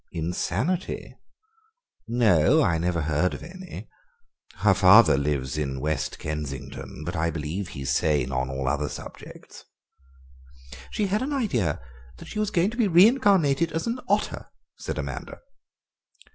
"Insanity? No, I never heard of any. Her father lives in West Kensington, but I believe he's sane on all other subjects." "She had an idea that she was going to be reincarnated as an otter," said Amanda.